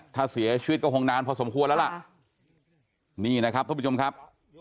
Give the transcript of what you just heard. ถ้าเสียชีวิตก็คงนานพอสมควรแล้วล่ะนี่นะครับท่านผู้ชมครับ